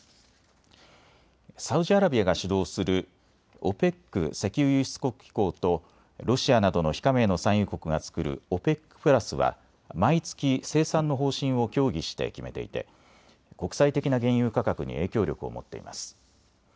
サウジアラビアが主導するＯＰＥＣ・石油輸出国機構とロシアなどの非加盟の産油国が作るＯＰＥＣプラスは毎月、生産の方針を協議して決めていて国際的な原油価格に影響力を持っています。